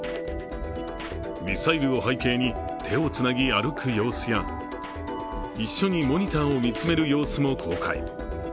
ミサイルを背景に手をつなぎ歩く様子や一緒にモニターを見つめる様子も公開。